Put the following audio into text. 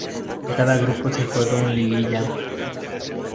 En cada grupo se juega un liguilla.